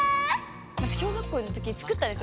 小学校の時作ったんですよ